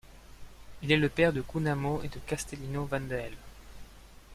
Il est le père de Cumano et de Castelino van de Helle.